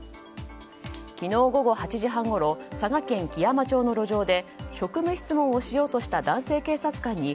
昨日午後８時半ごろ佐賀県基山町の路上で職務質問をしようとした男性警察官に